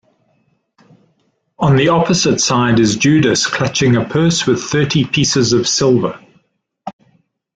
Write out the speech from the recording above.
On the opposite side is Judas clutching a purse with thirty pieces of silver.